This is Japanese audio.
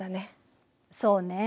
そうね。